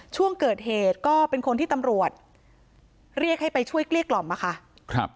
ช่วงเกิดเหตุก็เป็นคนที่ตำรวจเรียกให้ไปช่วยเกลี้ยกล่อมอะค่ะครับ